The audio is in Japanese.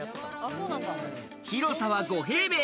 広さは５平米。